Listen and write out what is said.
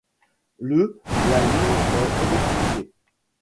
Le la ligne est électrifiée.